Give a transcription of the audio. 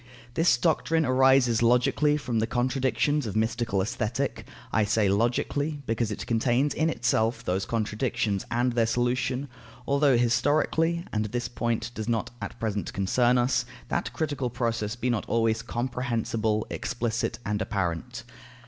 This doctrine arises logically from the contradictions of mystical Aesthetic; I say, logically, because it contains in itself those contradictions and their solution; although historically (and this point does not at present concern us) that critical process be not always comprehensible, explicit, and apparent.